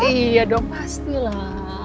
iya dong pasti lah